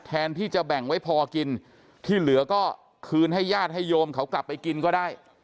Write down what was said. แทนที่จะแบ่งไว้พอกินที่เหลือก็คืนให้ญาติให้โยมเขากลับไปกินก็ได้